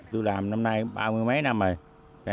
tôi làm năm nay ba mươi mấy năm rồi